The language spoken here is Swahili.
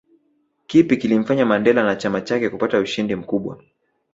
Kipi kilimfanya Mandela na chama chake kupata ushindi mkubwa